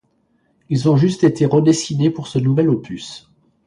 Ils ont juste été redessinés pour ce nouvel opus.